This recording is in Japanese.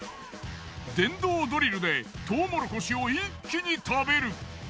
電動ドリルでトウモロコシを一気に食べる。